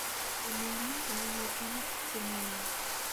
Imir-a, a win yufan ad tettu aya.